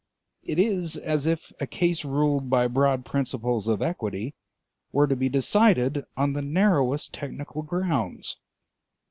It is as if a case ruled by broad principles of equity were to be decided on the narrowest technical grounds.